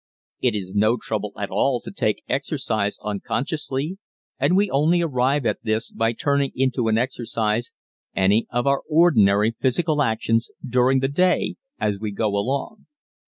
It is no trouble at all to take exercise unconsciously, and we only arrive at this by turning into an exercise any of our ordinary physical actions during the day as we go along.